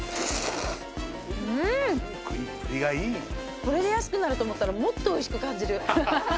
これで安くなると思ったらもっと美味しく感じる。